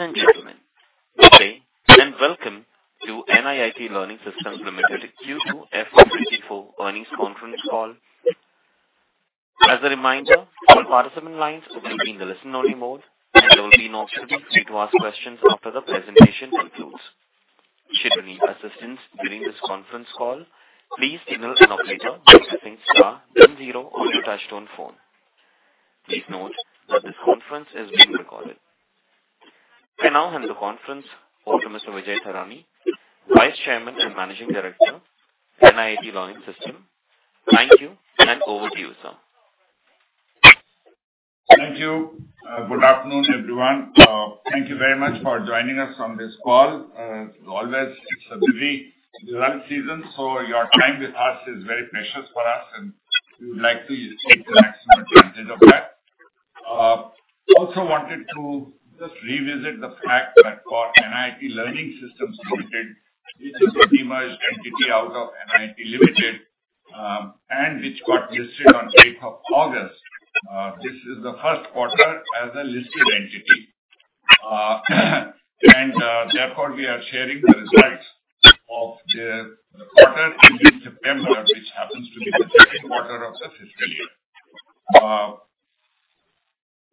Ladies and gentlemen, good day, and welcome to NIIT Learning Systems Limited Q2 FY 2024 Earnings Conference Call. As a reminder, all participant lines will be in a listen-only mode, and there will be an option to be free to ask questions after the presentation concludes. Should you need assistance during this conference call, please signal an operator by pressing star then zero on your touchtone phone. Please note that this conference is being recorded. I now hand the conference over to Mr. Vijay Thadani, Vice Chairman and Managing Director, NIIT Learning Systems Limited. Thank you, and over to you, sir. Thank you. Good afternoon, everyone. Thank you very much for joining us on this call. As always, it's a busy season, so your time with us is very precious for us, and we would like to take the maximum advantage of that. Also wanted to just revisit the fact that for NIIT Learning Systems Limited, which is a demerged entity out of NIIT Limited, and which got listed on 8th of August. This is the Q1 as a listed entity. Therefore, we are sharing the results of the quarter ending September, which happens to be the Q2 of the fiscal year.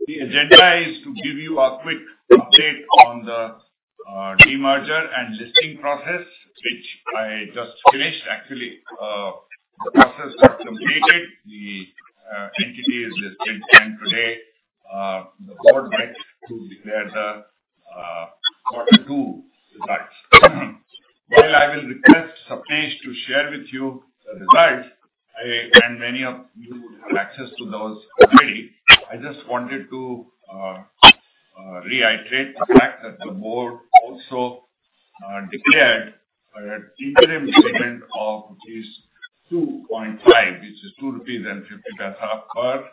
The agenda is to give you a quick update on the demerger and listing process, which I just finished. Actually, the process got completed. The entity is listed, and today, the board met to declare the quarter two results. While I will request Sapnesh to share with you the results, I and many of you would have access to those already, I just wanted to reiterate the fact that the board also declared an interim dividend of 2.5, which is 2 rupees and 50 paise per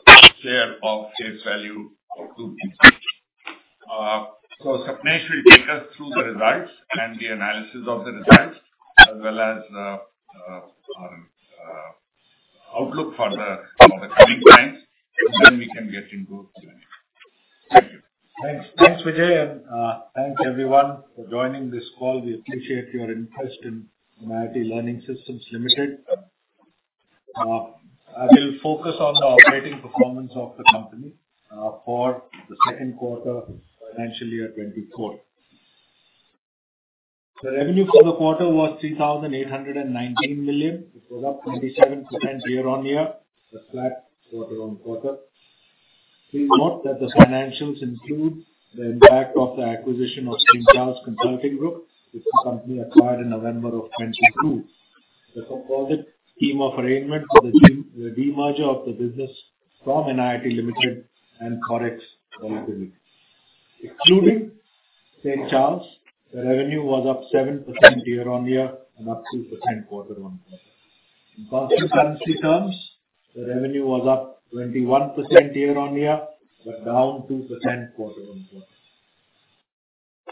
share of face value of 2 rupees. So Sapnesh will take us through the results and the analysis of the results, as well as outlook for the coming times, and then we can get into Q&A. Thank you. Thanks. Thanks, Vijay, and thanks, everyone, for joining this call. We appreciate your interest in NIIT Learning Systems Limited. I will focus on the operating performance of the company for the Q2 of financial year 2024. The revenue for the quarter was 3,819 million. It was up 27% year-on-year, but flat quarter-on-quarter. Please note that the financials include the impact of the acquisition of St. Charles Consulting Group, which the company acquired in November of 2022. The consolidated scheme of arrangement for the demerger of the business from NIIT Limited and Coforge Private Limited. Including St. Charles, the revenue was up 7% year-on-year and up 2% quarter-on-quarter. In constant currency terms, the revenue was up 21% year-on-year, but down 2% quarter-on-quarter.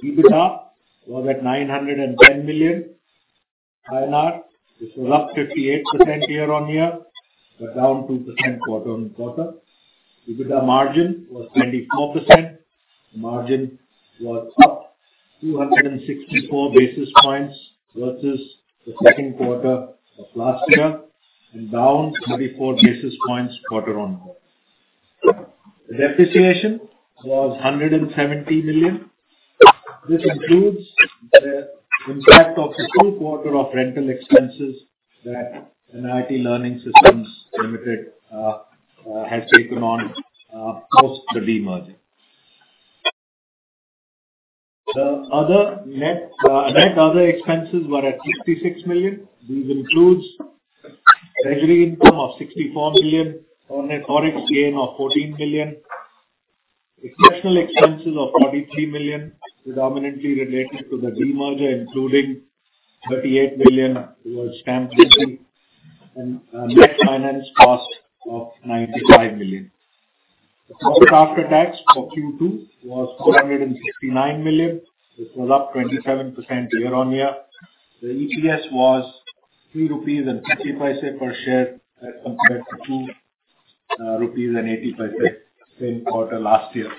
EBITDA was at 910 million, which was up 58% year-on-year, but down 2% quarter-on-quarter. EBITDA margin was 24%. The margin was up 264 basis points versus the Q2 of last year and down 34 basis points quarter-on-quarter. The depreciation was 170 million. This includes the impact of the full quarter of rental expenses that NIIT Learning Systems Limited has taken on post the demerger. The other net net other expenses were at 66 million. This includes treasury income of 64 million on a ForEx gain of 14 million, exceptional expenses of 43 million, predominantly related to the demerger, including 38 million was stamp duty and net finance cost of 95 million. The profit after tax for Q2 was 469 million. This was up 27% year-on-year. The EPS was 3.50 rupees per share, as compared to 2.80 rupees same quarter last year.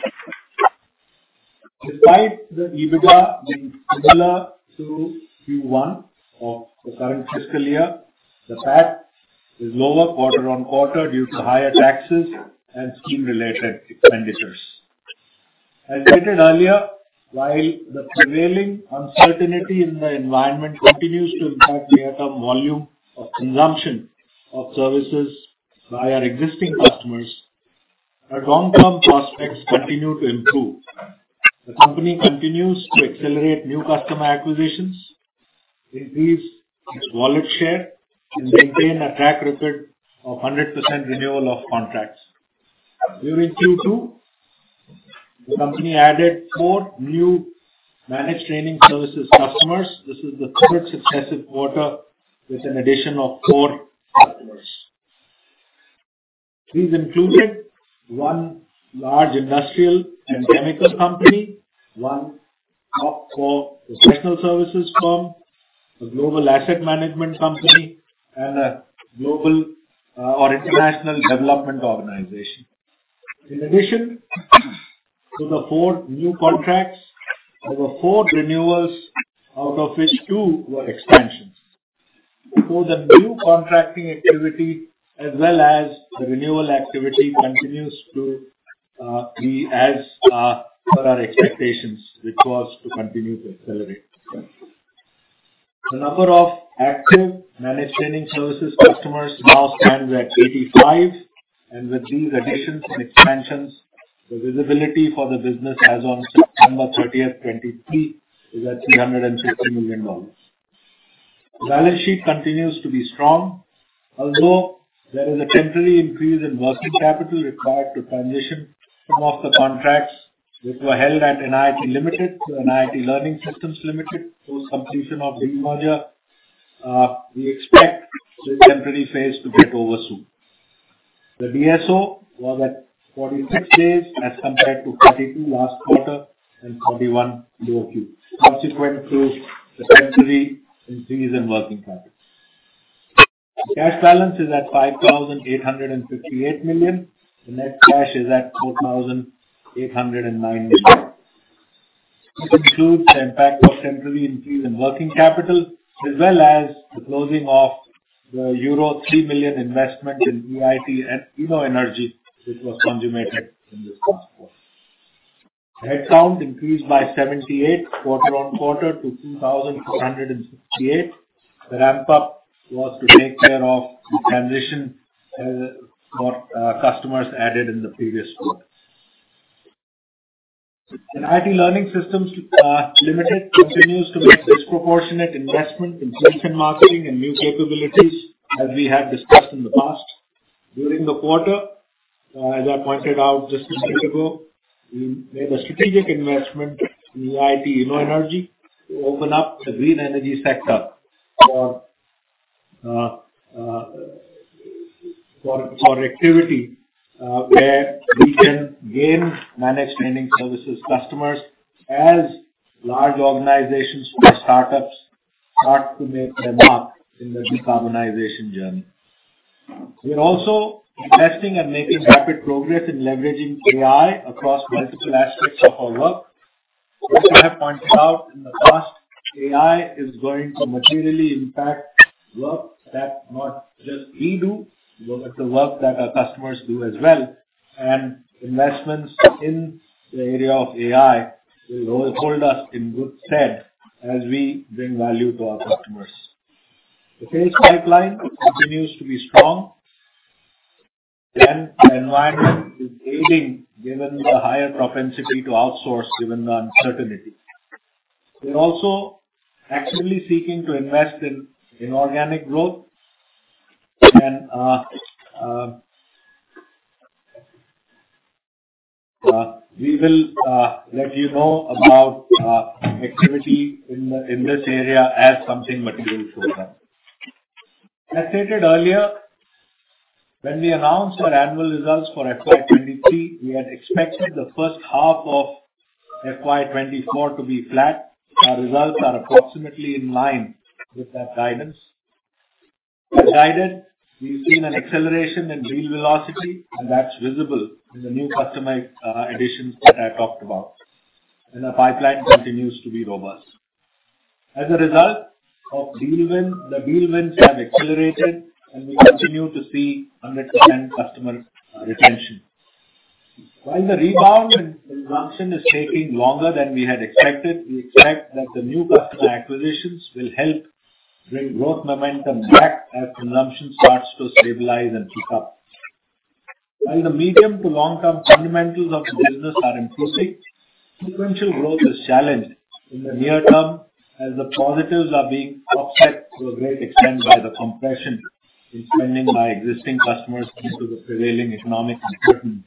Despite the EBITDA being similar to Q1 of the current fiscal year, the PAT is lower quarter-on-quarter due to higher taxes and scheme-related expenditures. As stated earlier, while the prevailing uncertainty in the environment continues to impact the quantum volume of consumption of services by our existing customers, our long-term prospects continue to improve. The company continues to accelerate new customer acquisitions, increase its wallet share, and maintain a track record of 100% renewal of contracts. During Q2, the company added four new managed training services customers. This is the third successive quarter with an addition of four customers. These included one large industrial and chemical company, one top four professional services firm. A global asset management company and a global, or international development organization. In addition to the four new contracts, there were four renewals, out of which two were expansions. So the new contracting activity, as well as the renewal activity, continues to be as per our expectations, which was to continue to accelerate. The number of active managed training services customers now stands at 85, and with these additions and expansions, the visibility for the business as on September 30, 2023, is at $350 million. The balance sheet continues to be strong, although there is a temporary increase in working capital required to transition some of the contracts which were held at NIIT Limited to NIIT Learning Systems Limited post completion of the demerger. We expect this temporary phase to get over soon. The DSO was at 46 days, as compared to 42 last quarter and 41 QOQ, subsequent to the temporary increase in working capital. Cash balance is at 5,858 million. The net cash is at 4,809 million. This includes the impact of temporary increase in working capital, as well as the closing of the euro 3 million investment in EIT InnoEnergy, which was consummated in this last quarter. Headcount increased by 78 quarter-on-quarter to 2,468. The ramp-up was to take care of the transition, customers added in the previous quarter. NIIT Learning Systems Limited continues to make disproportionate investment in sales and marketing and new capabilities, as we had discussed in the past. During the quarter, as I pointed out just a minute ago, we made a strategic investment in EIT InnoEnergy, to open up the green energy sector for activity, where we can gain managed training services customers as large organizations or startups start to make their mark in the decarbonization journey. We are also investing and making rapid progress in leveraging AI across multiple aspects of our work. As I have pointed out in the past, AI is going to materially impact work that not just we do, but the work that our customers do as well, and investments in the area of AI will hold us in good stead as we bring value to our customers. The sales pipeline continues to be strong, and the environment is aiding, given the higher propensity to outsource given the uncertainty. We're also actively seeking to invest in organic growth and we will let you know about activity in this area as something material comes up. As stated earlier, when we announced our annual results for FY 2023, we had expected the first half of FY 2024 to be flat. Our results are approximately in line with that guidance. As guided, we've seen an acceleration in deal velocity, and that's visible in the new customer additions that I talked about, and our pipeline continues to be robust. As a result of deal win, the deal wins have accelerated, and we continue to see 100% customer retention. While the rebound in consumption is taking longer than we had expected, we expect that the new customer acquisitions will help bring growth momentum back as consumption starts to stabilize and pick up. While the medium to long-term fundamentals of the business are improving, sequential growth is challenged in the near term as the positives are being offset to a great extent by the compression in spending by existing customers due to the prevailing economic uncertainty.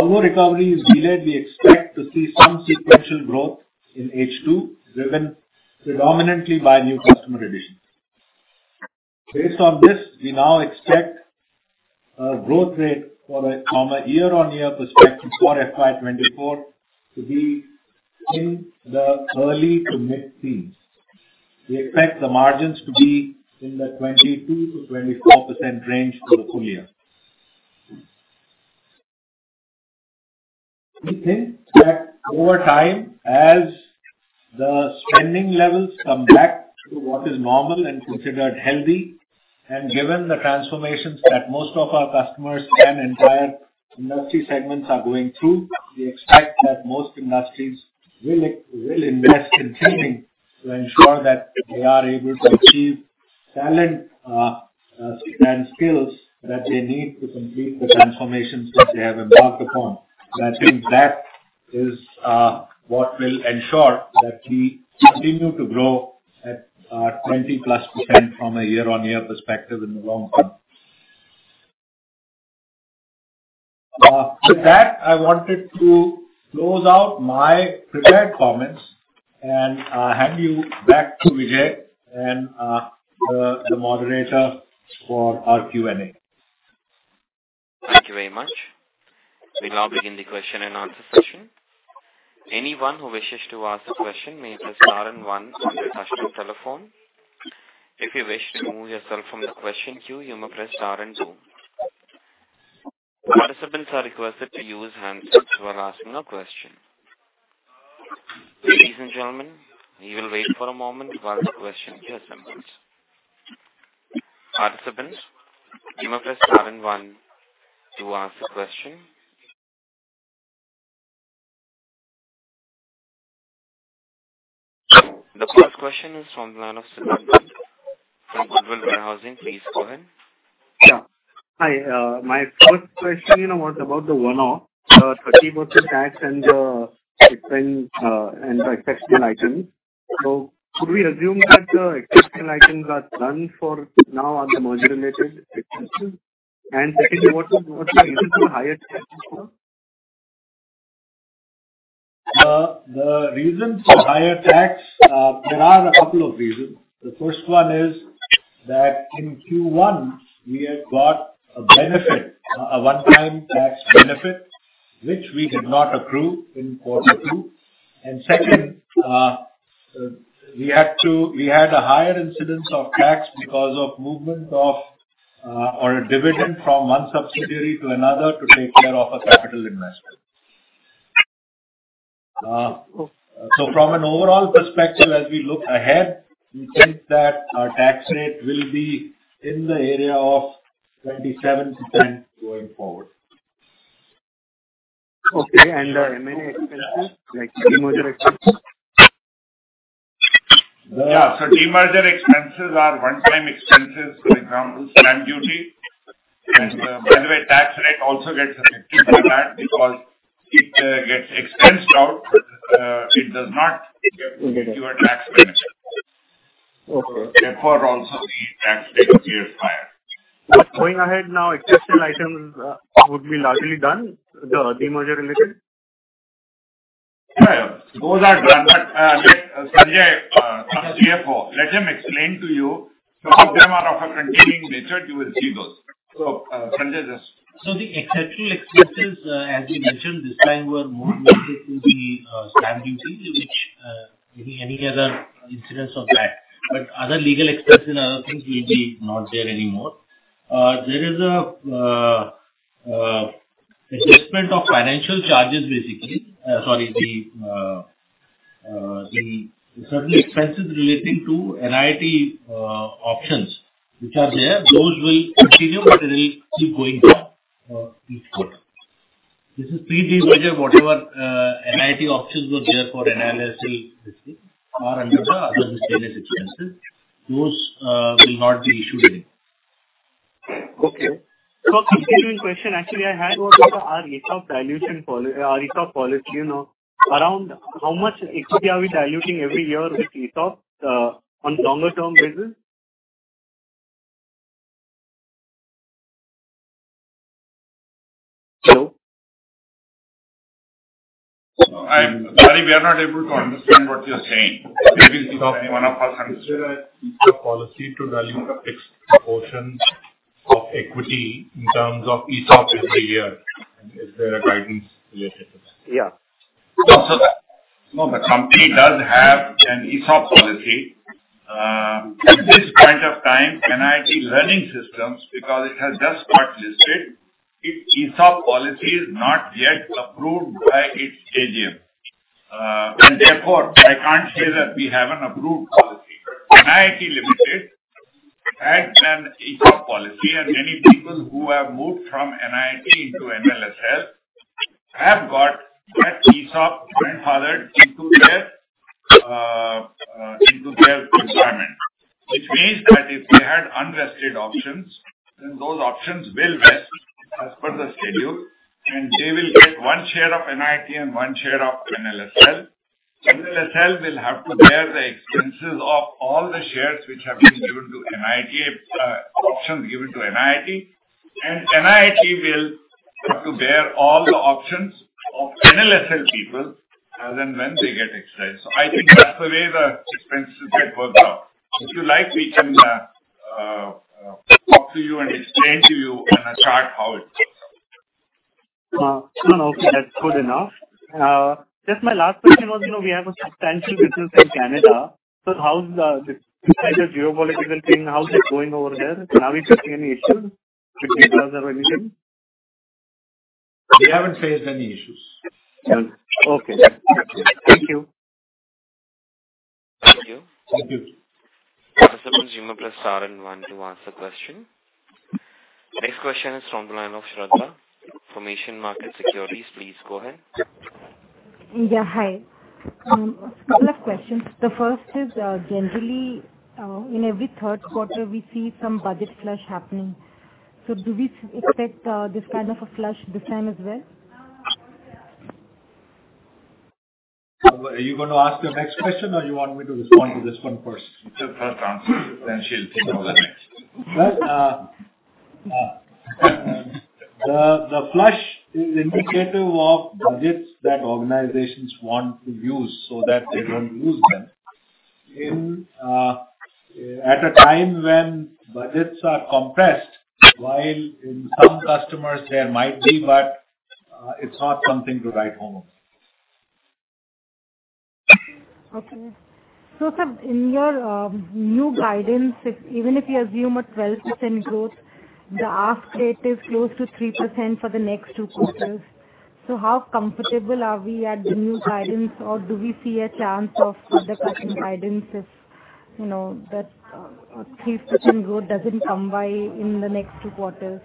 Although recovery is delayed, we expect to see some sequential growth in H2, driven predominantly by new customer additions. Based on this, we now expect a growth rate from a year-on-year perspective for FY 2024 to be in the early to mid teens. We expect the margins to be in the 22% to 24% range for the full year. We think that over time, as the spending levels come back to what is normal and considered healthy, and given the transformations that most of our customers and entire industry segments are going through, we expect that most industries will invest in training to ensure that they are able to achieve talent and skills that they need to complete the transformations that they have embarked upon. I think that is what will ensure that we continue to grow at 20%+ from a year-on-year perspective in the long run. With that, I wanted to close out my prepared comments and hand you back to Vijay and the moderator for our Q&A. Thank you very much. We now begin the Q&A session. Anyone who wishes to ask a question may press star and one on your touchtone telephone. If you wish to remove yourself from the question queue, you may press star and two. Participants are requested to use handsets while asking a question. Ladies and gentlemen, we will wait for a moment while the question queue assembles. Participants, you may press star and one to ask the question. The first question is from the line of Sunil Bhansali from Goodwill Share & Stock Brokers. Please go ahead. Yeah. Hi, my first question was about the one-off 30% tax and the expense and the exceptional items. So could we assume that exceptional items are done for now on the merger-related expenses? And second, what is the reason for higher tax? The reason for higher tax, there are a couple of reasons. The first one is that in Q1, we had got a benefit, a one-time tax benefit, which we did not accrue in quarter two. And second, we had a higher incidence of tax because of movement of, or a dividend from one subsidiary to another to take care of a capital investment. So from an overall perspective, as we look ahead, we think that our tax rate will be in the area of 27% going forward. Okay, and the M&A expenses, like demerger expenses? Yeah. So demerger expenses are one-time expenses, for example, stamp duty. And, by the way, tax rate also gets affected by that because it gets expensed out. It does not get to a tax benefit. Okay. Therefore, also, the tax rate appears higher. Going ahead now, exceptional items would be largely done, the demerger related? Yeah, those are done. But, let Sanjay, our CFO, let him explain to you. Some of them are of a continuing nature, you will see those. So, Sanjay, yes. So the exceptional expenses, as we mentioned, this time were more related to the stamp duty, which any other incidents of that. But other legal expense and other things will not be there anymore. There is an assessment of financial charges, basically. Sorry, the certainly expenses relating to NIIT options which are there, those will continue, but they will keep going down each quarter. This is pre-demerger, whatever NIIT options were there for NLSL, basically, are under the other miscellaneous expenses. Those will not be issued anymore. Okay. So continuing question, actually, I had about our ESOP dilution policy, our ESOP policy, you know, around how much equity are we diluting every year with ESOP, on longer term basis? Hello? I'm sorry, we are not able to understand what you're saying. Maybe one of us can. Is there a policy to dilute a fixed portion of equity in terms of ESOP every year? Is there a guidance related to this? Yeah. The company does have an ESOP policy. At this point of time, NIIT Learning Systems, because it has just got listed, its ESOP policy is not yet approved by its AGM. And therefore, I can't say that we have an approved policy. NIIT Limited had an ESOP policy, and many people who have moved from NIIT into NLSL have got that ESOP grandfathered into their consignment. Which means that if they had unvested options, then those options will vest as per the schedule, and they will get one share of NIIT and one share of NLSL. NLSL will have to bear the expenses of all the shares which have been given to NIIT, options given to NIIT. And NIIT will have to bear all the options of NLSL people, then when they get exercised. I think that's the way the expenses get worked out. If you like, we can talk to you and explain to you in a chart how it works. No, no, that's good enough. Just my last question was, you know, we have a substantial business in Canada, so how's the geopolitical thing, how's it going over there? Are we facing any issues with data or anything? We haven't faced any issues. Okay. Thank you. Thank you. Thank you. Press star and one to ask a question. Next question is from the line of Shraddha, Formation Market Securities. Please go ahead. Yeah, hi. A couple of questions. The first is, generally, in every Q3, we see some budget flush happening. So do we expect this kind of a flush this time as well? Are you going to ask your next question, or you want me to respond to this one first? Just first answer, then she'll think over the next. Well, the flush is indicative of budgets that organizations want to use so that they don't use them. In, At a time when budgets are compressed, while in some customers there might be, but, it's not something to write home about. Okay. So, sir, in your new guidance, if even if you assume a 12% growth, the ask rate is close to 3% for the next two quarters. So how comfortable are we at the new guidance, or do we see a chance of further cutting guidance if you know that a 3% growth doesn't come by in the next two quarters?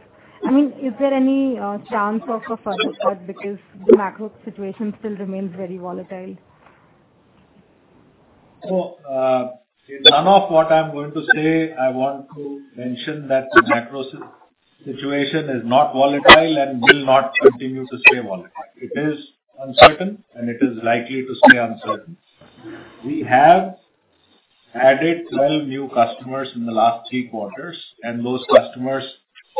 I mean, is there any chance of a further cut because the macro situation still remains very volatile? So, in none of what I'm going to say, I want to mention that the macro situation is not volatile and will not continue to stay volatile. It is uncertain, and it is likely to stay uncertain. We have added 12 new customers in the last three quarters, and those customers,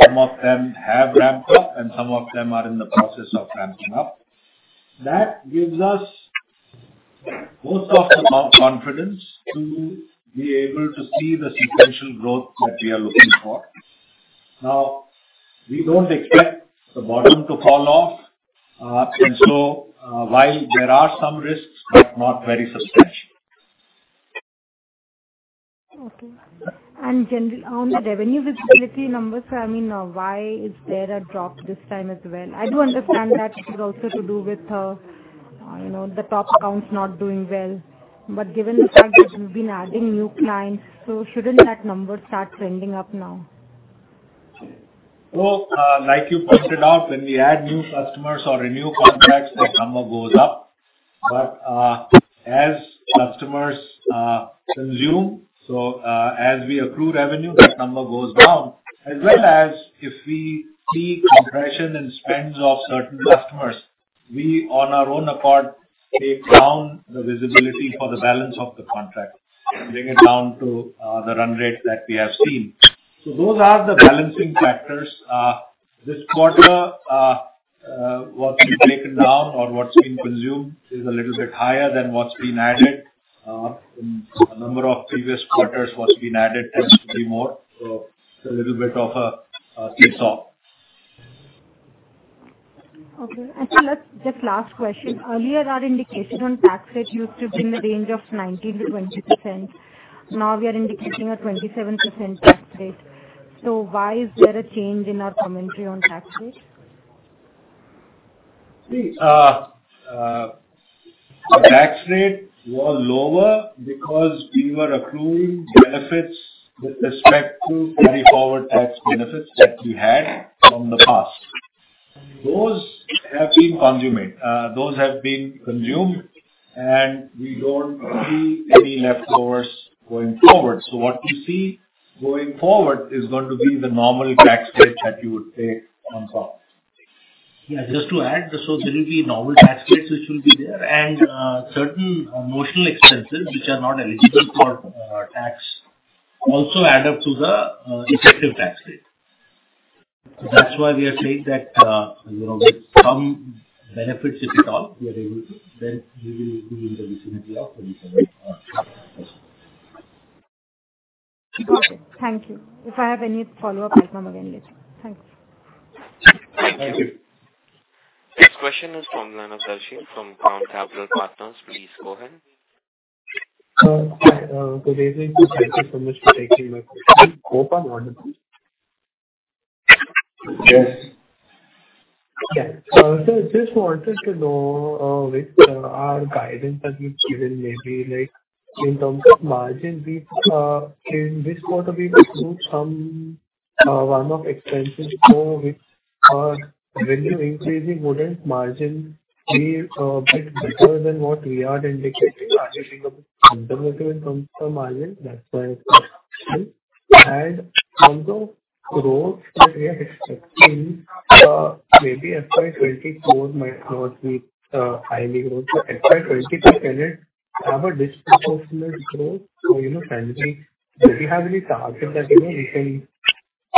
some of them have ramped up, and some of them are in the process of ramping up. That gives us most of the confidence to be able to see the sequential growth that we are looking for. Now, we don't expect the bottom to fall off. And so, while there are some risks, but not very substantial. Okay. And on the revenue visibility numbers, I mean, why is there a drop this time as well? I do understand that it has also to do with, you know, the top accounts not doing well. But given the fact that you've been adding new clients, so shouldn't that number start trending up now? Well, like you pointed out, when we add new customers or renew contracts, that number goes up. But, as customers consume, so, as we accrue revenue, that number goes down, as well as if we see compression in spends of certain customers, we, on our own accord, take down the visibility for the balance of the contract and bring it down to, the run rate that we have seen. So those are the balancing factors. This quarter, what's been taken down or what's been consumed is a little bit higher than what's been added. In a number of previous quarters, what's been added tends to be more, so it's a little bit of a seesaw. Okay. Sir, just last question. Earlier, our indication on tax rate used to be in the range of 19% to 20%. Now we are indicating a 27% tax rate. So why is there a change in our commentary on tax rate? See, the tax rate was lower because we were accruing benefits with respect to carry forward tax benefits that we had from the past. Those have been consumed, and we don't see any leftovers going forward. So what you see going forward is going to be the normal tax rate that you would take on top. Yeah, just to add, so there will be normal tax rates, which will be there, and certain notional expenses which are not eligible for tax, also add up to the effective tax rate. That's why we are saying that, you know, with some benefits, if at all, we are able to, then we will be in the vicinity of 27%. Okay. Thank you. If I have any follow-up, I'll come again later. Thanks. Thank you. Thank you. Next question is from Lana Darshi, from Crown Capital Partners. Please go ahead. Hi. Thank you so much for taking my question. Gopa audible? Yes. Yeah. So just wanted to know, with our guidance that you've given, maybe like in terms of margin, we in this quarter we include some one-off expenses before which revenue increasing wouldn't margin be bit better than what we are indicating in terms of margin. That's why I asked. And on the growth that we are expecting, maybe FY 2024 might not be highly growth. So FY 2022 can have a disproportionate growth. So, you know, generally, do you have any target that, you know, you can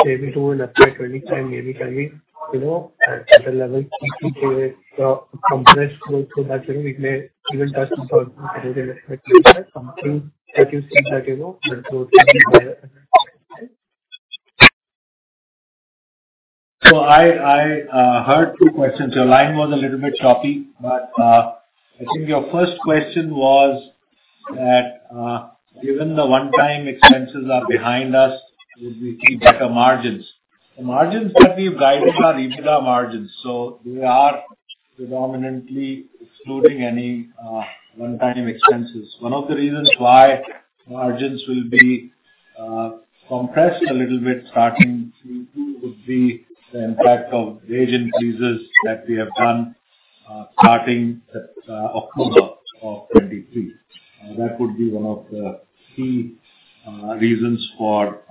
maybe do in FY 2025, maybe can we, you know, at a level keep it compressed growth, so that, you know, it may even touch something that you think that, you know, can go higher? So I heard two questions. Your line was a little bit choppy, but I think your first question was that, given the one-time expenses are behind us, would we see better margins? The margins that we've guided are EBITDA margins, so we are predominantly excluding any one-time expenses. One of the reasons why margins will be compressed a little bit starting Q2 would be the impact of the wage increases that we have done starting at October of 2023. That would be one of the key reasons for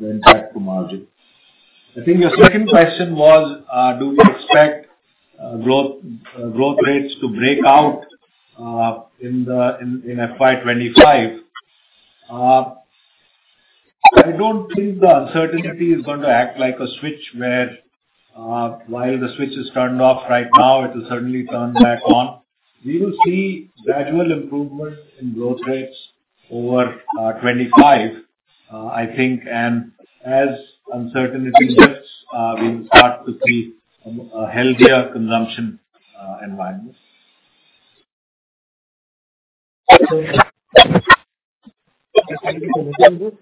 the impact to margin. I think your second question was, do we expect growth growth rates to break out in FY 2025? I don't think the uncertainty is going to act like a switch where, while the switch is turned off right now, it will suddenly turn back on. We will see gradual improvement in growth rates over 25, I think. And as uncertainty lifts, we will start to see a healthier consumption environment. How much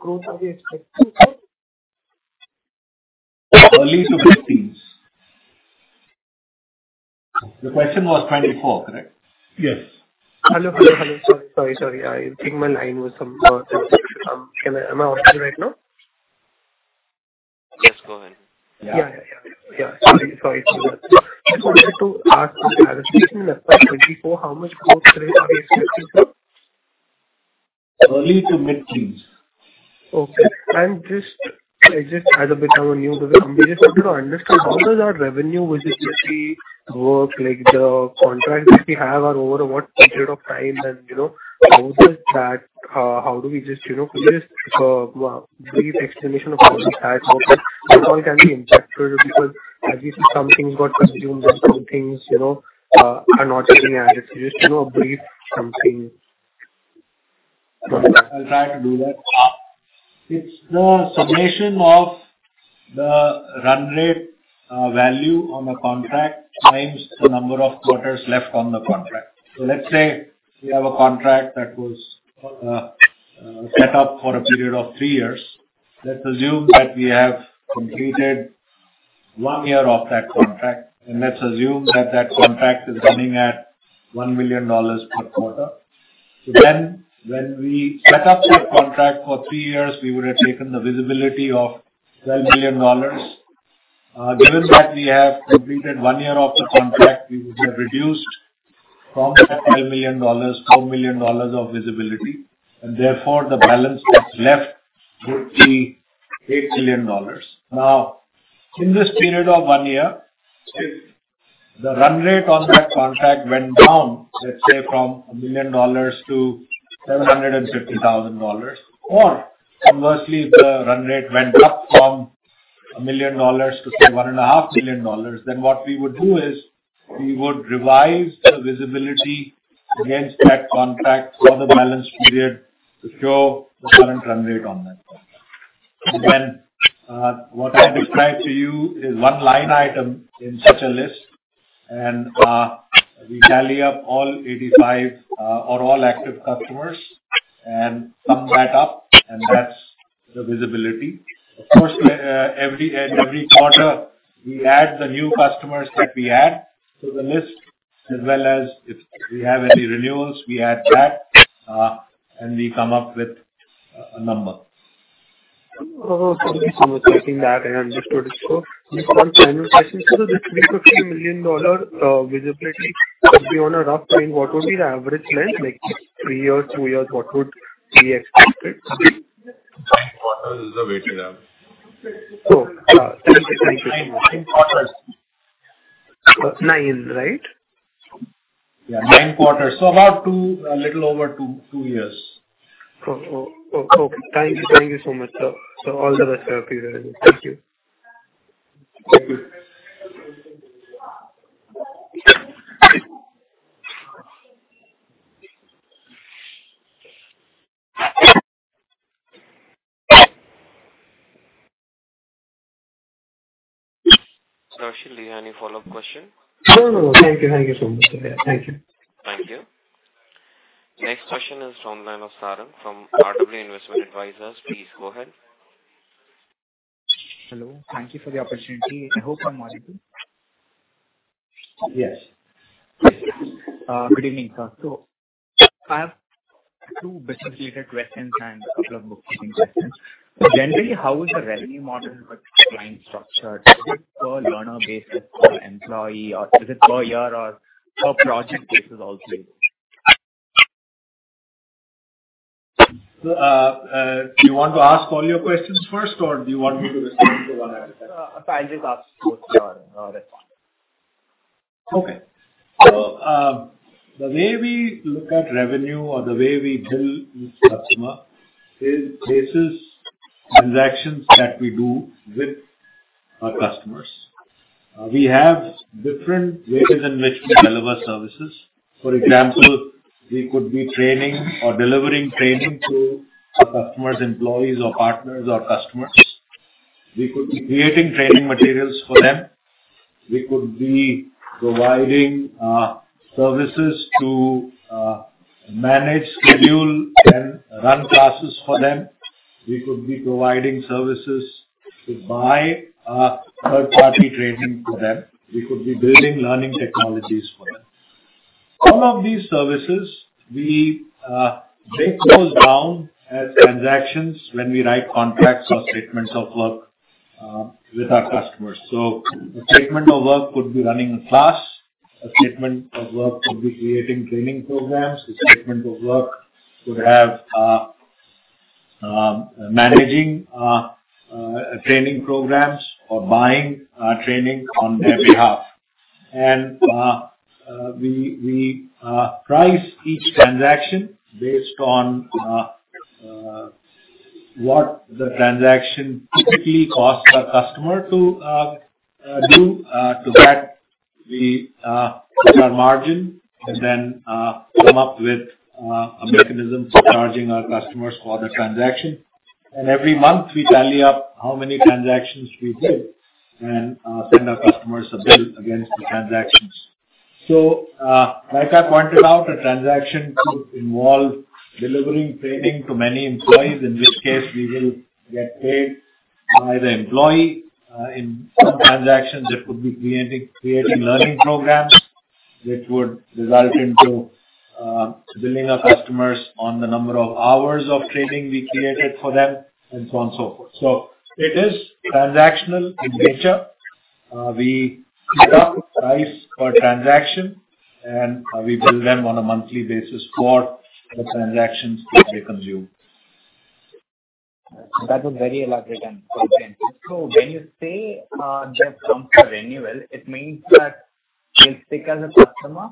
growth are we expecting, sir? Early to mid-teens. The question was 24, correct? Yes. Hello, hello, hello. Sorry, sorry. I think my line was some-- Am I okay right now? Yes, go ahead. Yeah, yeah, yeah. Sorry, sorry. I wanted to ask, anticipation in the 2024, how much growth rate are we expecting, sir? Early to mid-teens. Okay. And just, I just had a bit of a new because I'm just looking to understand, how does our revenue visibility work? Like, the contracts that we have are over what period of time, and, you know, how does that, how do we just, you know, just, brief explanation of how we have, how that all can be interpreted. Because as you see, some things got consumed and some things, you know, are not getting added. Just, you know, a brief something. I'll try to do that. It's the summation of the run rate value on a contract times the number of quarters left on the contract. So let's say we have a contract that was set up for a period of three years. Let's assume that we have completed 1 year of that contract, and let's assume that that contract is running at $1 million per quarter. So then when we set up that contract for 3 years, we would have taken the visibility of $12 million. Given that we have completed 1 year of the contract, we would have reduced from that $12 million, $4 million of visibility, and therefore, the balance that's left would be $8 million. Now, in this period of one year, if the run rate on that contract went down, let's say, from $1 million to $750,000, or conversely, the run rate went up from $1 million to, say, $1.5 million, then what we would do is, we would revise the visibility against that contract for the balance period to show the current run rate on that contract. And then, what I described to you is one line item in such a list, and, we tally up all 85, or all active customers and sum that up, and that's the visibility. Of course, every, at every quarter, we add the new customers that we add to the list, as well as if we have any renewals, we add that, and we come up with a number. Oh, thank you so much. I think that I understood. Just one final question. This $3 million visibility, on a rough time, what would be the average length? Like three years, two years, what would be expected? Nine quarters is the weighted average. So, thank you. Nine quarters. Nine, right? Yeah, nine quarters. So about two, a little over two years. Oh, oh, okay. Thank you. Thank you so much, sir. So all the best, sir. Thank you. Thank you. Rashil, do you have any follow-up question? No, no. Thank you. Thank you so much, sir. Thank you. Thank you. Next question is from the line of Sarang, from RW Investment Advisors. Please go ahead. Hello. Thank you for the opportunity. I hope I'm audible. Yes. Good evening, sir. I have two business-related questions and a couple of bookkeeping questions. Generally, how is the revenue model with client structured? Is it per learner basis, per employee, or is it per year or per project basis also? Do you want to ask all your questions first, or do you want me to respond to one at a time? I'll just ask both and respond. Okay. So, the way we look at revenue or the way we bill each customer is based on transactions that we do with our customers. We have different ways in which we deliver services. For example, we could be training or delivering training to our customers, employees, or partners or customers. We could be creating training materials for them. We could be providing services to manage, schedule, and run classes for them. We could be providing services to buy third-party training for them. We could be building learning technologies for them. Some of these services, we, they close down as transactions when we write contracts or statements of work with our customers. So a statement of work could be running a class, a statement of work could be creating training programs, a statement of work could have. Managing training programs or buying training on their behalf. We price each transaction based on what the transaction typically costs a customer to do. To that we put our margin and then come up with a mechanism for charging our customers for the transaction. Every month, we tally up how many transactions we did and send our customers a bill against the transactions. So, like I pointed out, a transaction could involve delivering training to many employees, in which case we will get paid by the employee. In some transactions, it could be creating learning programs, which would result into billing our customers on the number of hours of training we created for them, and so on, so forth. So it is transactional in nature. We set up price per transaction, and we bill them on a monthly basis for the transactions which they consume. That was very elaborate and okay. So when you say, there comes a renewal, it means that they stick as a customer?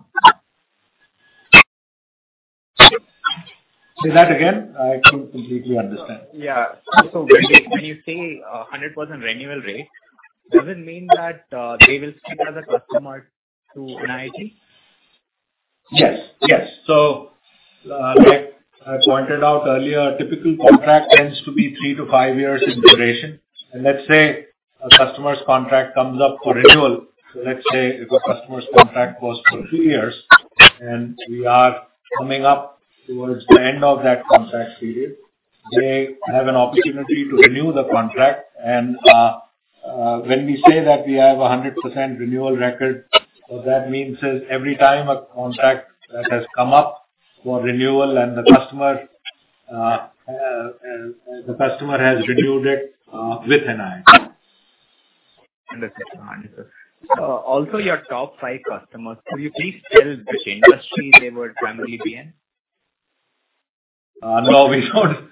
Say that again. I couldn't completely understand. Yeah. So when you, when you say 100% renewal rate, does it mean that they will stick as a customer to NIIT? Yes. Yes. So, like I pointed out earlier, a typical contract tends to be three to five years in duration. And let's say a customer's contract comes up for renewal. So let's say if a customer's contract was for three years, and we are coming up towards the end of that contract period, they have an opportunity to renew the contract. And, when we say that we have a 100% renewal record, what that means is every time a contract that has come up for renewal and the customer, the customer has renewed it, with NIIT. Understood. Also, your top five customers, could you please tell which industry they would primarily be in? No, we don't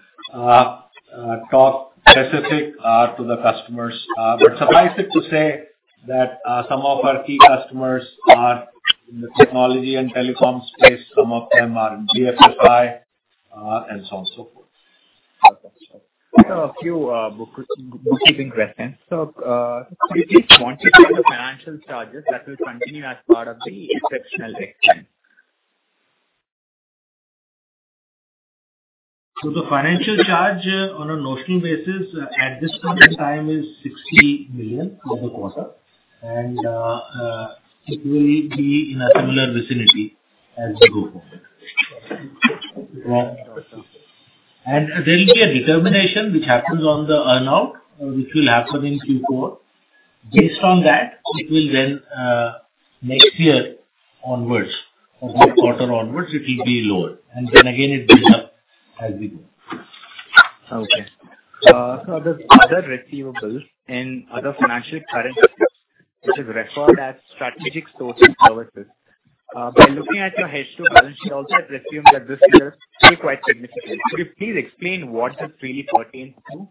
talk specific to the customers. But suffice it to say that some of our key customers are in the technology and telecom space. Some of them are in BFSI, and so on, so forth. Okay. A few bookkeeping questions. So, could you please quantify the financial charges that will continue as part of the exceptional expense? The financial charge on a notional basis at this point in time is 60 million for the quarter. It will be in a similar vicinity as we go forward. Yeah. There'll be a determination which happens on the earn-out, which will happen in Q4. Based on that, it will then, next year onwards, or Q4 onwards, it will be lower, and then again, it builds up as we go. Okay. So the other receivables and other financial current, which is referred as strategic sourcing services. By looking at your H2 balance sheet, also I've presumed that this year is quite significant. Could you please explain what this really pertains to?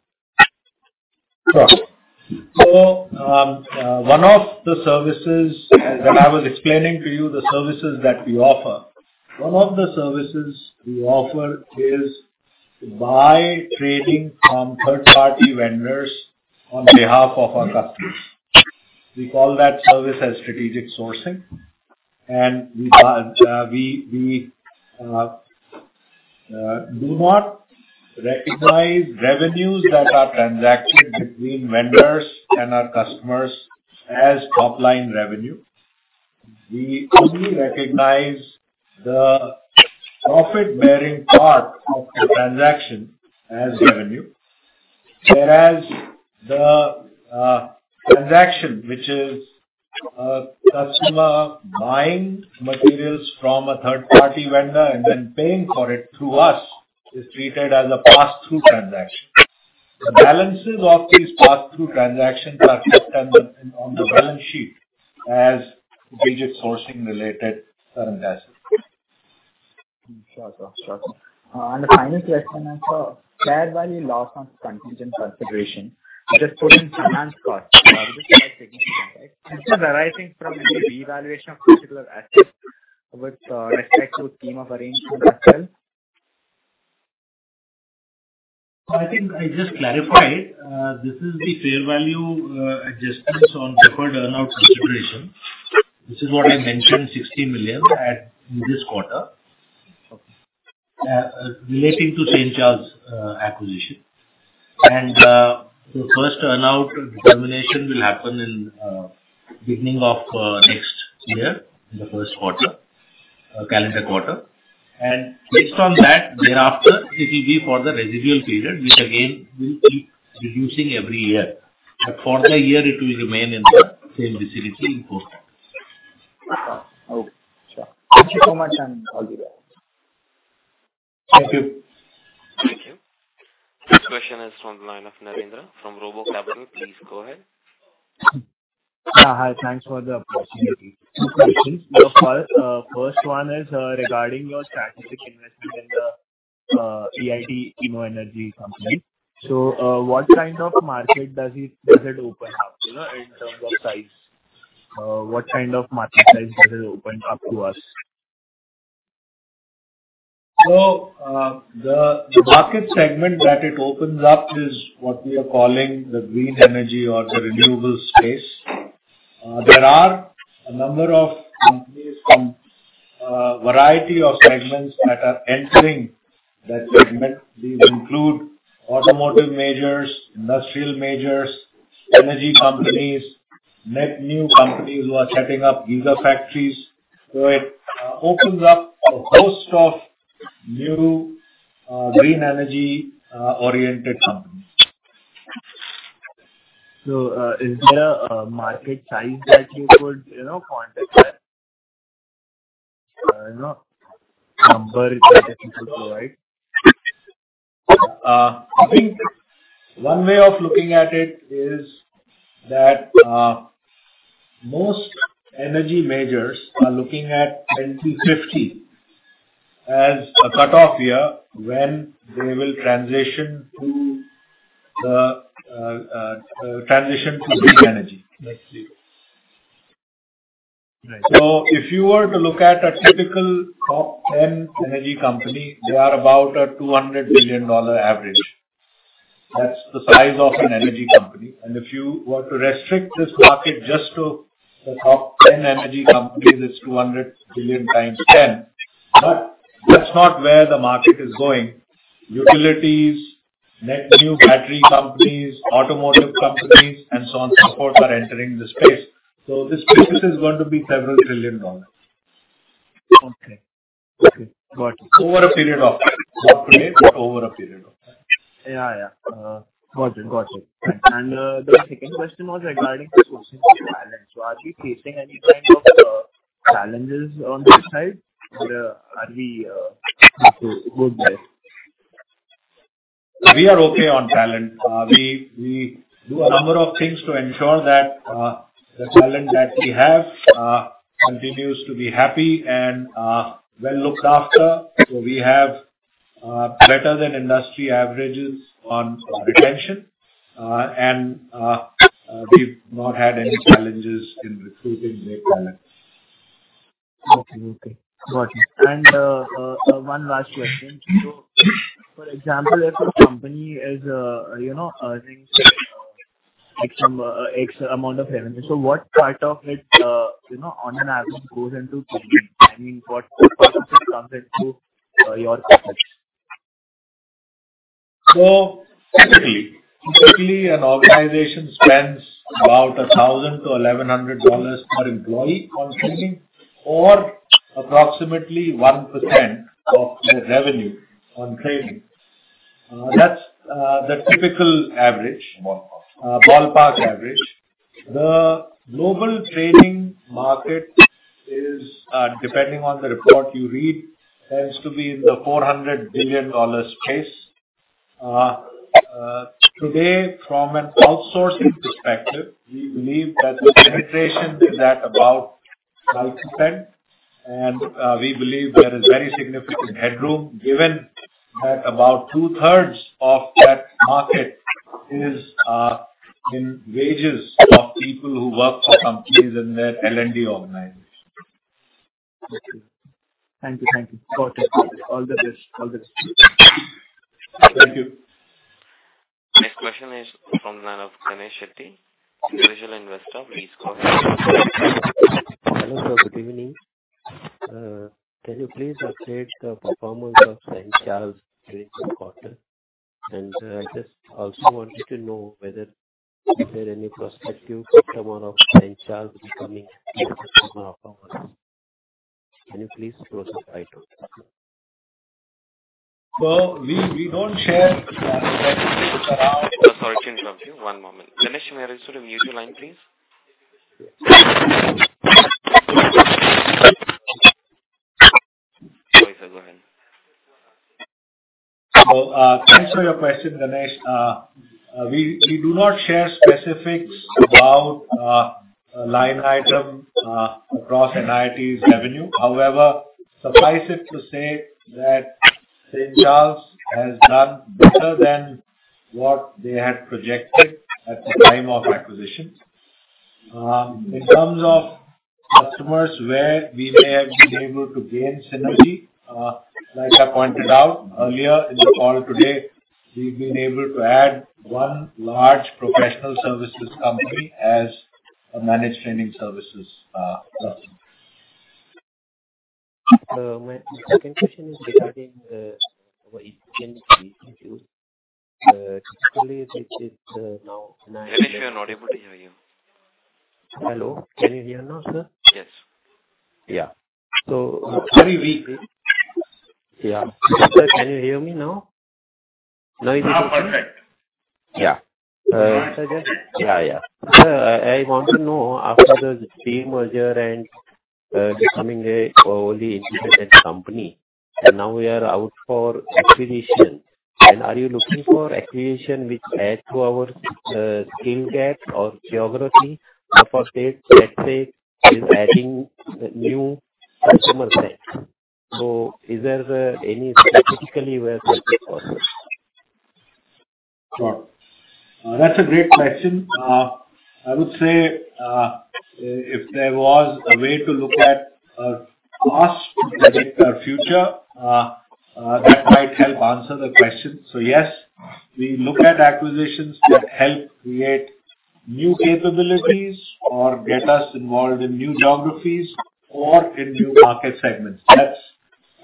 Sure. So, one of the services, as I was explaining to you, the services that we offer. One of the services we offer is to buy training from third-party vendors on behalf of our customers. We call that service as strategic sourcing. And we do not recognize revenues that are transacted between vendors and our customers as top-line revenue. We only recognize the profit-bearing part of the transaction as revenue. Whereas, the transaction, which is a customer buying materials from a third-party vendor and then paying for it through us, is treated as a pass-through transaction. The balances of these pass-through transactions are reflected on the balance sheet as digit sourcing-related current assets. Sure, sir. Sure. And the final question, sir, fair value loss on contingent consideration, just putting finance cost, right? This is arising from the revaluation of particular assets with respect to the scheme of arrangement as well? I think I just clarified, this is the fair value adjustments on deferred earn-out consideration. This is what I mentioned, 60 million at in this quarter. Okay. Relating to St. Charles acquisition. And the first earn-out determination will happen in the beginning of next year, in the Q1, calendar quarter. And based on that, thereafter, it'll be for the residual period, which again, will keep reducing every year. But for a year, it'll remain in the same vicinity going forward. Okay. Sure. Thank you so much, and I'll be back. Thank you. Thank you. Next question is from the line of Narender from Robo Capital. Please go ahead. Hi, thanks for the opportunity. Two questions. The first one is regarding your strategic investment in the EIT InnoEnergy company. So, what kind of market does it open up, you know, in terms of size? What kind of market size does it open up to us? So, the market segment that it opens up is what we are calling the green energy or the renewable space. There are a number of companies from variety of segments that are entering that segment. These include automotive majors, industrial majors, energy companies, net new companies who are setting up giga factories. So it opens up a host of new green energy oriented companies. Is there a market size that you could, you know, point at? You know, number is very difficult to provide. I think one way of looking at it is that most energy majors are looking at 2050 as a cutoff year when they will transition to green energy. I see. Right. So if you were to look at a typical top 10 energy company, they are about a $200 billion average. That's the size of an energy company. And if you were to restrict this market just to the top 10 energy companies, it's $200 billion times 10. But that's not where the market is going. Utilities, net new battery companies, automotive companies, and so on, so forth, are entering the space. So this business is going to be several trillion dollars. Okay. Okay, got you. Over a period of time. Not today, but over a period of time. Yeah, yeah. Got you, got you. And the second question was regarding the sourcing talent. So are we facing any kind of challenges on this side, or are we good, good guys? We are okay on talent. We do a number of things to ensure that the talent that we have continues to be happy and well looked after. So we have better than industry averages on retention, and we've not had any challenges in recruiting great talent. Okay, okay. Got you. And, one last question. So, for example, if a company is, you know, earning like some X amount of revenue, so what part of it, you know, on an average, goes into training? I mean, what percentage comes into, your pocket? So typically, an organization spends about $1,000 to $1,100 per employee on training, or approximately 1% of their revenue on training. That's the typical average. Ballpark. Ballpark average. The global training market is, depending on the report you read, tends to be in the $400 billion space. Today, from an outsourcing perspective, we believe that the penetration is at about multi-ten, and, we believe there is very significant headroom, given that about two-thirds of that market is, in wages of people who work for companies and their L&D organizations. Okay. Thank you. Thank you. Got it. All the best. All the best. Thank you. Next question is from Ganesh Shetty, individual investor, please go ahead. Hello, sir. Good evening. Can you please update the performance of St. Charles during this quarter? I just also wanted to know whether there are any prospective customer of St. Charles becoming customer of ours. Can you please throw some light on this? We don't share specifics around. Sorry to interrupt you. One moment. Ganesh, may I just sort of mute your line, please? Go ahead. Thanks for your question, Ganesh. We do not share specifics about a line item across NIIT's revenue. However, suffice it to say that St. Charles has done better than what they had projected at the time of acquisition. In terms of customers where we may have been able to gain synergy, like I pointed out earlier in the call today, we've been able to add one large professional services company as a managed training services customer. My second question is regarding our EIT InnoEnergy. Technically, which is now, Ganesh, we are not able to hear you. Hello. Can you hear now, sir? Yes. Yeah. So, Sorry, we, Yeah. Sir, can you hear me now? Now, perfect. Yeah. Yeah, yeah. Sir, I want to know, after the team merger and becoming a wholly independent company, and now we are out for acquisition. And are you looking for acquisition which add to our skill gap or geography? Suppose it, let's say, is adding new customer set. So is there any specifically where you are focused? Sure. That's a great question. I would say, if there was a way to look at past to predict our future, that might help answer the question. So yes, we look at acquisitions that help create new capabilities or get us involved in new geographies or in new market segments. That's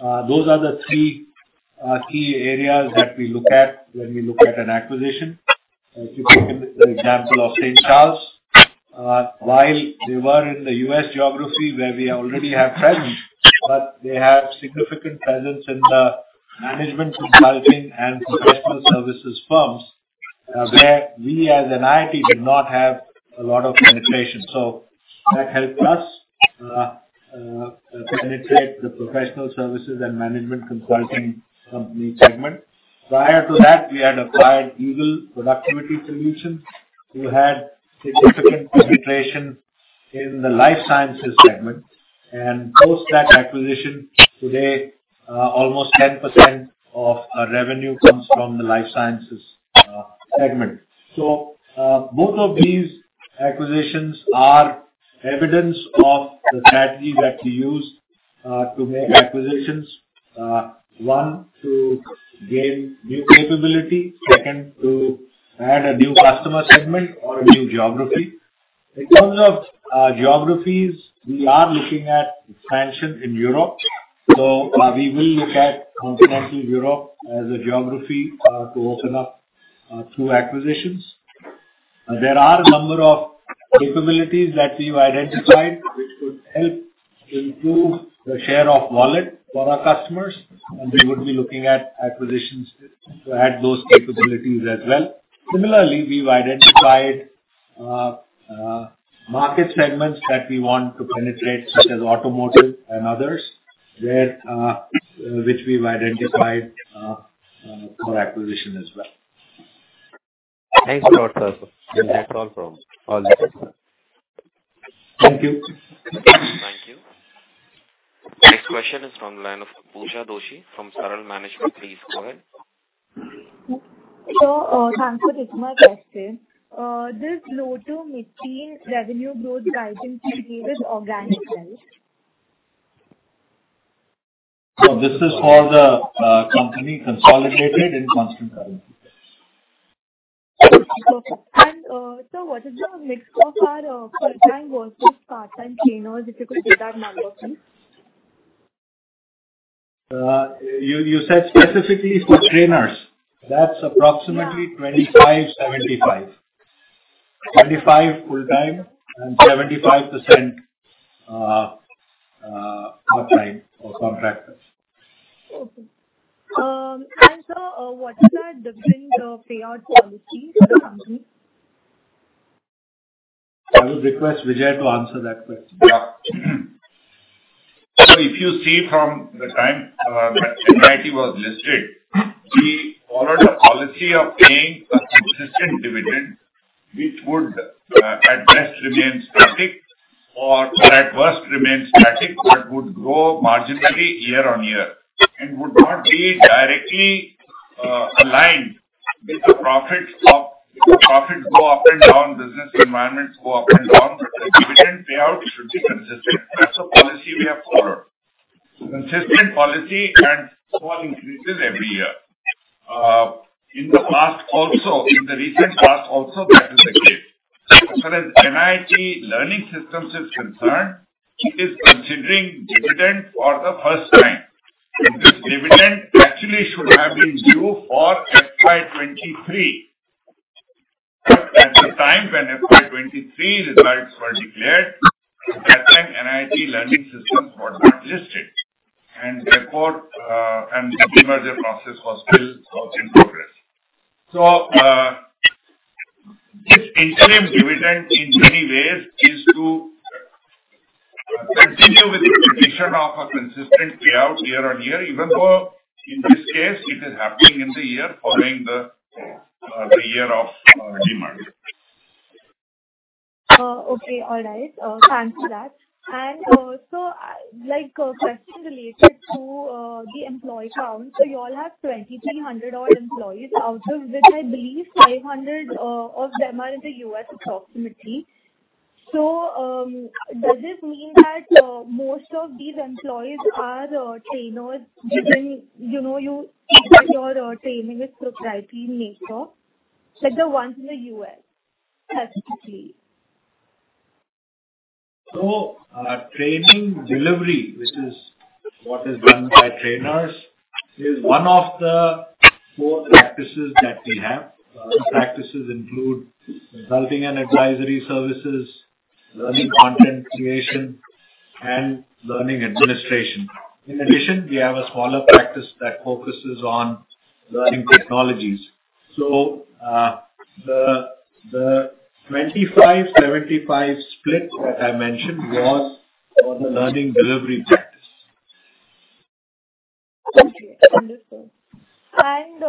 those are the three key areas that we look at when we look at an acquisition. If you take the example of St. Charles, while they were in the U.S. geography where we already have presence, but they have significant presence in the management consulting and professional services firms, where we as an IT did not have a lot of penetration. So that helped us penetrate the professional services and management consulting company segment. Prior to that, we had acquired Eagle Productivity Solutions, who had significant penetration in the life sciences segment. Post that acquisition, today, almost 10% of our revenue comes from the life sciences segment. Both of these acquisitions are evidence of the strategy that we use to make acquisitions. One, to gain new capability, second, to add a new customer segment or a new geography. In terms of geographies, we are looking at expansion in Europe. We will look at continental Europe as a geography to open up through acquisitions. There are a number of capabilities that we've identified, which could help improve the share of wallet for our customers, and we would be looking at acquisitions to add those capabilities as well. Similarly, we've identified market segments that we want to penetrate, such as automotive and others, which we've identified for acquisition as well. Thanks a lot, sir. That's all from all. Thank you. Thank you. Next question is from the line of Pooja Doshi from Saral Management. Please go ahead. Thanks for this question. This low to mid-teen revenue growth guidance you gave is organic growth? This is for the company consolidated in constant currency. Okay. And, so what is the mix of our full-time versus part-time trainers, if you could give that number, please? You said specifically for trainers? Yeah. That's approximately 25, 75. 25 full-time and 75% part-time or contractors. Okay. What is the different, the payout policy to the company? I will request Vijay to answer that question. Yeah. So if you see from the time that NIIT was listed, we followed a policy of paying a consistent dividend, which would, at best remain static, or at worst remain static, but would grow marginally year on year, and would not be directly aligned with the profits of- If the profits go up and down, business environments go up and down, but the dividend payout should be consistent. That's a policy we have followed. Consistent policy and small increases every year. In the past, also, in the recent past also, that is the case. As far as NIIT Learning Systems is concerned, it is considering dividend for the first time. And this dividend actually should have been due for FY 2023. At the time when FY 2023 results were declared, at that time, NIIT Learning Systems was not listed, and therefore, and demerger process was still in progress. So, this interim dividend, in many ways, is to continue with the tradition of a consistent payout year on year, even though in this case it is happening in the year following the, the year of, demerger. Okay. All right. Thanks for that. So, like, a question related to the employee count. So you all have 2,300-odd employees, out of which I believe 500 of them are in the U.S., approximately. So, does this mean that most of these employees are trainers within, you know, your training is proprietary nature, like the ones in the U.S., specifically? So, training delivery, which is what is done by trainers, is one of the four practices that we have. Practices include consulting and advisory services, learning content creation, and learning administration. In addition, we have a smaller practice that focuses on learning technologies. So, the 25, 75 split that I mentioned was for the learning delivery practice. Okay, understood. And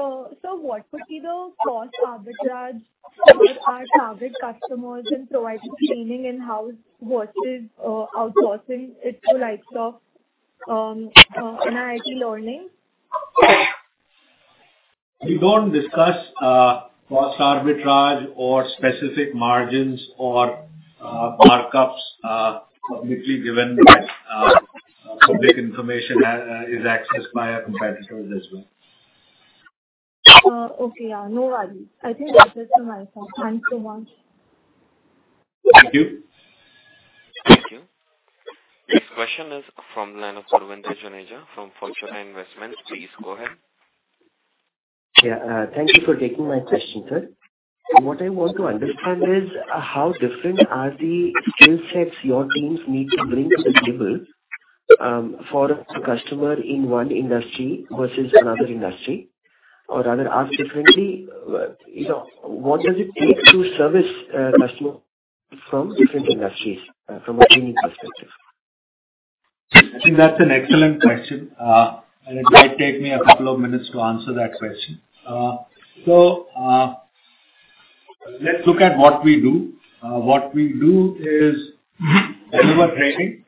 so what would be the cost arbitrage for our target customers in providing training in-house versus outsourcing it to likes of NIIT Learning? We don't discuss cost arbitrage or specific margins or markups publicly, given that public information is accessed by our competitors as well. Okay. Yeah, no worry. I think that's it for myself. Thanks so much. Thank you. Thank you. This question is from Linus Purventajaneja, from Fortuna Investments. Please go ahead. Yeah. Thank you for taking my question, sir. What I want to understand is, how different are the skill sets your teams need to bring to the table, for a customer in one industry versus another industry? Or rather ask differently, you know, what does it take to service, customer from different industries, from a training perspective? I think that's an excellent question. It might take me a couple of minutes to answer that question. Let's look at what we do. What we do is deliver training,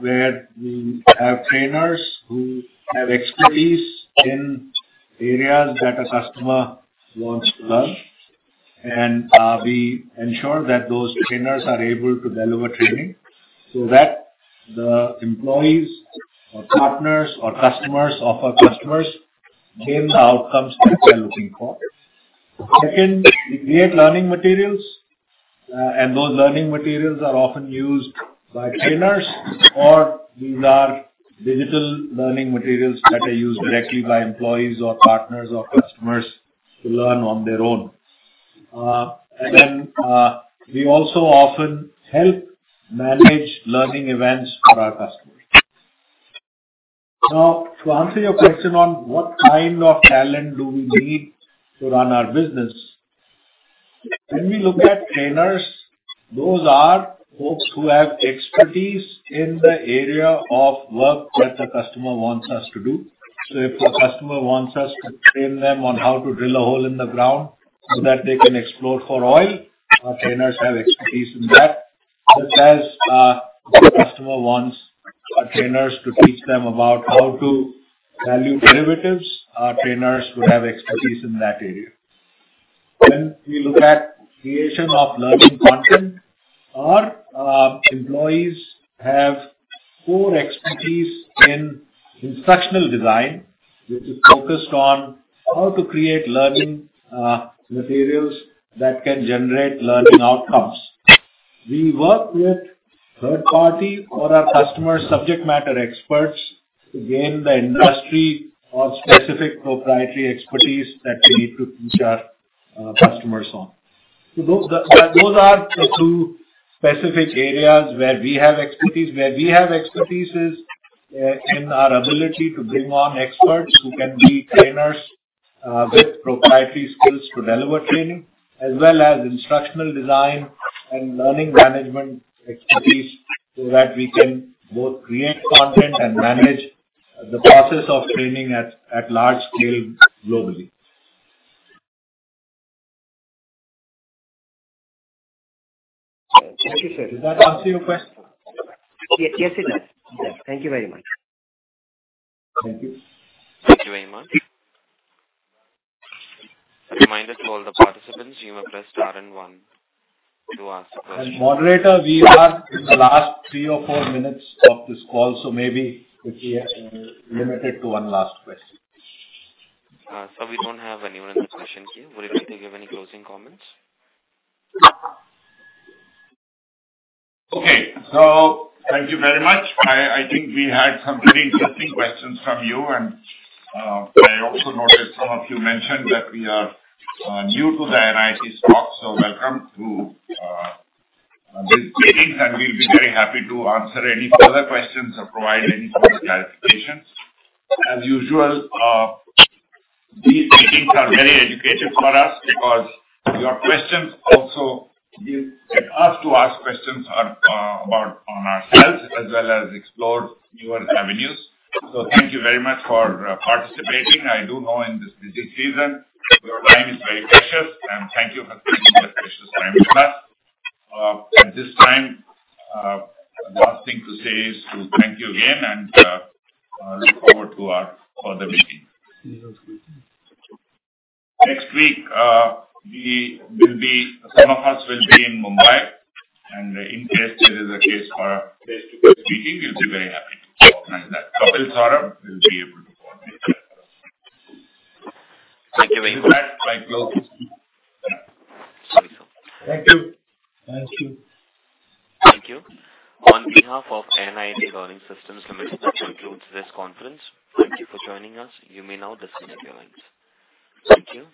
where we have trainers who have expertise in areas that a customer wants to learn. We ensure that those trainers are able to deliver training, so that the employees or partners or customers of our customers gain the outcomes that they're looking for. Second, we create learning materials, and those learning materials are often used by trainers, or these are digital learning materials that are used directly by employees or partners or customers to learn on their own. We also often help manage learning events for our customers. Now, to answer your question on what kind of talent do we need to run our business? When we look at trainers, those are folks who have expertise in the area of work that the customer wants us to do. So if a customer wants us to train them on how to drill a hole in the ground so that they can explore for oil, our trainers have expertise in that. But as the customer wants our trainers to teach them about how to value derivatives, our trainers would have expertise in that area. When we look at creation of learning content, our employees have core expertise in instructional design, which is focused on how to create learning materials that can generate learning outcomes. We work with third party or our customer subject matter experts to gain the industry or specific proprietary expertise that we need to teach our customers on. Those, those are the two specific areas where we have expertise. Where we have expertise is in our ability to bring on experts who can be trainers with proprietary skills to deliver training, as well as instructional design and learning management expertise, so that we can both create content and manage the process of training at large scale globally. Thank you, sir. Does that answer your question? Yes, it does. Thank you very much. Thank you. Thank you very much. Reminder to all the participants, you may press star and one to ask a question. Moderator, we are in the last three or four minutes of this call, so maybe if we are limited to one last question. We don't have anyone in the question queue. Would you like to give any closing comments? Okay. So thank you very much. I, I think we had some very interesting questions from you, and, I also noticed some of you mentioned that we are, new to the NIIT stock, so welcome to, these meetings, and we'll be very happy to answer any further questions or provide any further clarifications. As usual, these meetings are very educative for us, because your questions also give us to ask questions on, about on ourselves, as well as explore newer avenues. So thank you very much for, participating. I do know in this busy season, your time is very precious, and thank you for taking that precious time with us. At this time, last thing to say is to thank you again, and, look forward to our further meeting. Next week, we will be... Some of us will be in Mumbai, and in case there is a case for a face-to-face meeting, we'll be very happy to organize that. Kapil Saurabh will be able to coordinate that. Thank you very much. Thank you. Thank you. Thank you. On behalf of NIIT Learning Systems, I'm happy to conclude this conference. Thank you for joining us. You may now disconnect your lines. Thank you.